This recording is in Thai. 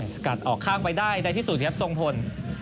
สกัดออกข้างไปได้ในที่สุดครับทรงพล